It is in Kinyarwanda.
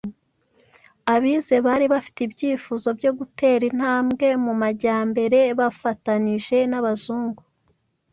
Abize bari bafite ibyifuzo byo gutera intambwe mu majyambere bafatanyije n'Abazungu.